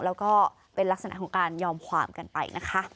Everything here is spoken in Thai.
แล้วก็เป็นลักษณะของการยอมความกันไปนะคะ